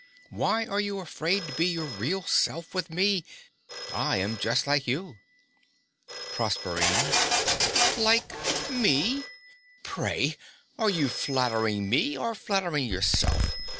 Why are you afraid to be your real self with me? I am just like you. PROSERPINE. Like me! Pray, are you flattering me or flattering yourself?